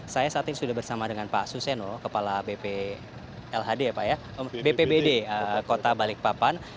saya saat ini sudah bersama dengan pak suseno kepala bpbd kota balikpapan